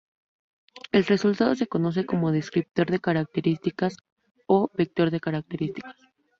El resultado se conoce como descriptor de características o vector de características.